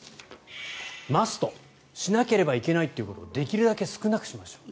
マストしなければいけないことをできるだけ少なくしましょう。